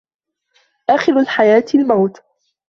آخر الحياة الموت